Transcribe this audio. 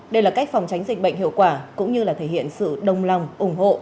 đây là cách phòng tránh dịch bệnh hiệu quả cũng như là thể hiện sự đồng lòng ủng hộ